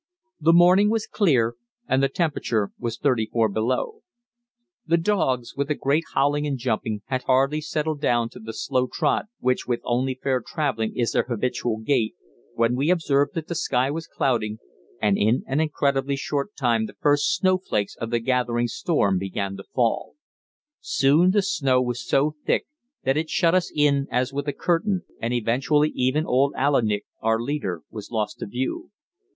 The morning was clear, and the temperature was 34 below. The dogs, with a great howling and jumping, had hardly settled down to the slow trot which with only fair travelling is their habitual gait, when we observed that the sky was clouding, and in an incredibly short time the first snowflakes of the gathering storm began to fall. Soon the snow was so thick that it shut us in as with a curtain, and eventually even old Aillik, our leader, was lost to view.